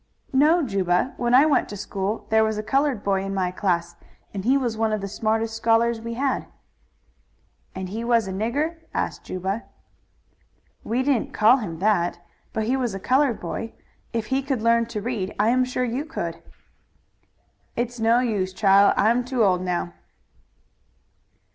"No; Juba, when I went to school there was a colored boy in my class, and he was one of the smartest scholars we had." "And was he a nigger?" asked Juba. "We didn't call him that, but he was a colored boy. If he could learn to read I am sure you could." "It's no use, chile. I'm too old now."